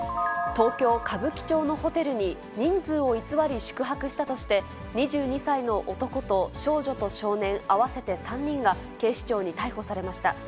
東京・歌舞伎町のホテルに、人数を偽り宿泊したとして、２２歳の男と少女と少年合わせて３人が、警視庁に逮捕されました。